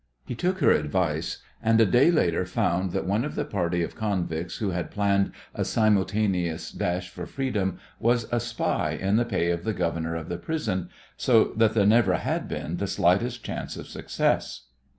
He took her advice, and a day later found that one of the party of convicts who had planned a simultaneous dash for freedom was a spy in the pay of the governor of the prison, so that there never had been the slightest chance of success.